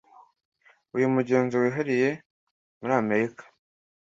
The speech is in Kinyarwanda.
Uyu mugenzo wihariye muri Amerika.